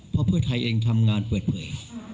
เพราะเพื่อไทยเองทำงานเผื่อ